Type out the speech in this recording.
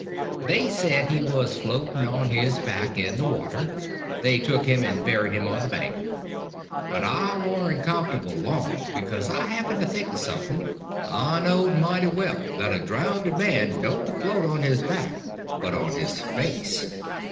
They said he was floating on his back in the water. They took him and buried him on the bank. But I warn't comfortable long, because I happened to think of something. I knowed mighty well that a drownded man don't float on his back, but on his face.